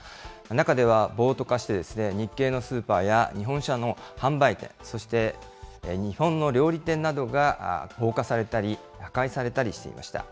中では暴徒化して日系のスーパーや日本車の販売店、そして日本の料理店などが放火されたり破壊されたりしていました。